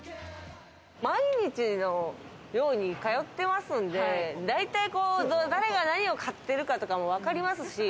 毎日のように通ってますんで、大体、誰が何を買っているかとかも、分かりますし。